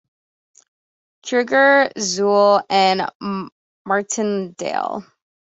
Krueger, Zuehl, and Martindale.